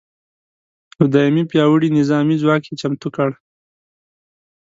یو دایمي پیاوړي نظامي ځواک یې چمتو کړ.